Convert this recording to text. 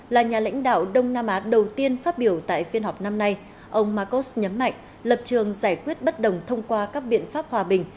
là nhà lãnh đạo đông nam á đầu tiên phát biểu tại phiên họp năm nay ông marcos nhấn mạnh lập trường giải quyết bất đồng thông qua các biện pháp hòa bình